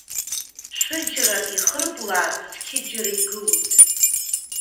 Шәыџьара ихырблаар, зқьыџьара игылоит.